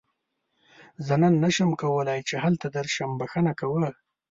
زه نن نشم کولی چې هلته درشم، بښنه کوه.